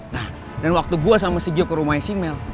nah dan waktu gue sama sigio ke rumahnya si male